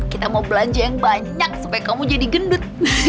kita mau belanja yang banyak supaya kamu jadi gendut